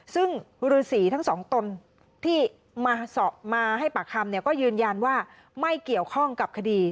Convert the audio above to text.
ซึ่งฤษีทั้งสองตนที่มาให้ปากคำก็ยืนยันว่าไม่เกี่ยวข้องกับคดี